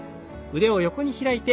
腕を大きく横に開いて。